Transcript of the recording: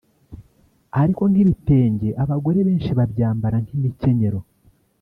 Ariko nk'ibitenge abagore benshi babyambara nk'imikenyero